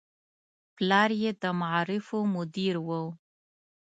پلار یې د معارفو مدیر و.